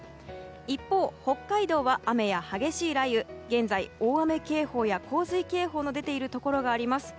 一方、北海道は雨や激しい雷雨現在、大雨警報や洪水警報の出ているところがあります。